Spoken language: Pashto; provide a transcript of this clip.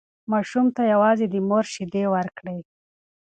ماشوم ته یوازې د مور شیدې ورکړئ.